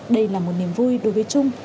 đây là một niềm vui đối với trung